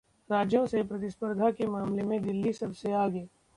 राज्यों से प्रतिस्पर्धा के मामले में दिल्ली सबसे आगे